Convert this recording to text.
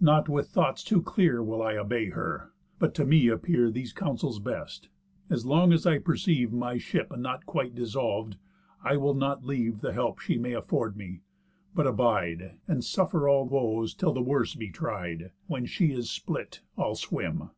Not with thoughts too clear Will I obey her, but to me appear These counsels best: As long as I perceive My ship not quite dissolv'd, I will not leave The help she may afford me, but abide, And suffer all woes till the worst be tried. When she is split, I'll swim.